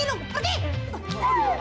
aduh aduh aduh